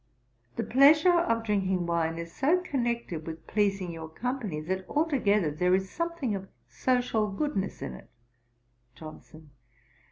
The pleasure of drinking wine is so connected with pleasing your company, that altogether there is something of social goodness in it.' JOHNSON.